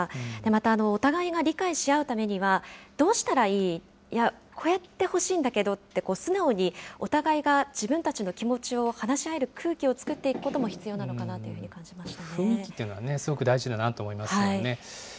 またお互いが理解し合うためには、どうしたらいい？や、こうやってほしいんだけどって素直にお互いが自分たちの気持ちを話し合える空気を作っていくことも必要なのかなというふうに感じ雰囲気っていうのはすごく大事だなと思いますよね。